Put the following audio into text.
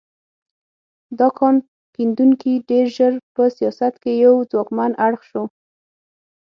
دا کان کیندونکي ډېر ژر په سیاست کې یو ځواکمن اړخ شو.